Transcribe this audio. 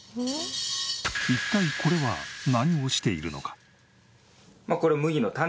一体これは何をしているのか？